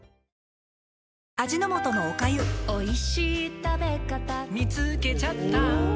味の素のおかゆ「おいしい食べ方」「みつけちゃった」